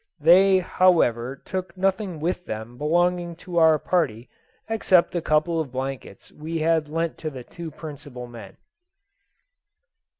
They, however, took nothing with them belonging to our party, except a couple of blankets we had lent to the two principal men.